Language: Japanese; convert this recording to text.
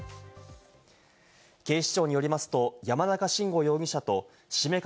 警視庁によりますと、山中慎吾容疑者と七五三掛